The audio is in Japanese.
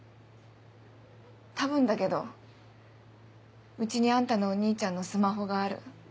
多分だけど家にあんたのお兄ちゃんのスマホがある。